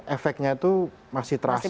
efeknya itu masih terasa